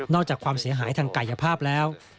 จากความเสียหายทางกายภาพแล้ว